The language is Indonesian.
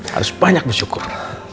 harus banyak bersyukur